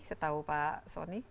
setahu pak soni